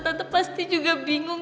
tante pasti juga bingung